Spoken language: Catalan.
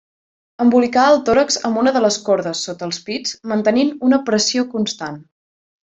Embolicar el tòrax amb una de les cordes, sota els pits, mantenint una pressió constant.